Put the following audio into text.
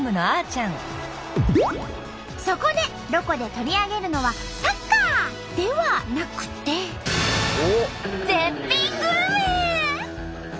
そこで「ロコ」で取り上げるのはサッカー！ではなくて絶品グルメ！